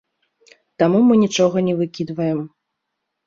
Таму мы нічога не выкідваем.